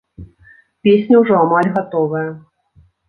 Песня ўжо амаль гатовая.